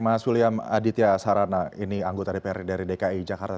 mas william aditya sarana ini anggota dpr dari dki jakarta